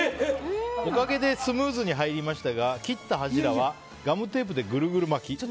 おかげでスムーズに入りましたが切った柱はガムテープでぐるぐる巻き。